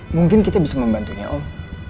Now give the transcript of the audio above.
mungkin kita bisa membantunya oh